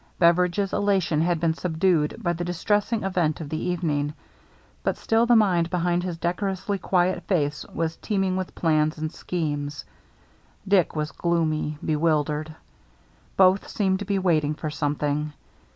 Beveridge's elation had been subdued by the distressing event of the evening, but still the mind behind his decorously quiet face was teeming with plans and schemes. Dick was gloomy, bewildered. Both seemed to be wait ing for something.